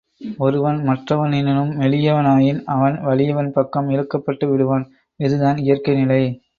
ஒருவன் மற்றவனினும் மெலியவனாயின், அவன் வலியவன் பக்கம் இழுக்கப்பட்டு விடுவான், இதுதான் இயற்கை நிலை.